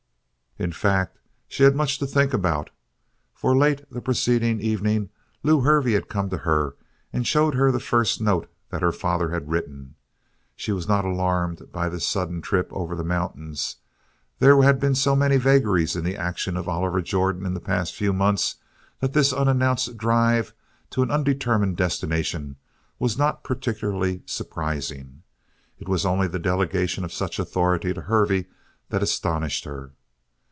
In fact, she had much to think about, for late the preceding evening Lew Hervey had come to her and showed her the first note that her father had written. She was not alarmed by this sudden trip over the mountains. There had been so many vagaries in the actions of Oliver Jordan in the past few months that this unannounced drive to an undetermined destination was not particularly surprising. It was only the delegation of such authority to Hervey that astonished her.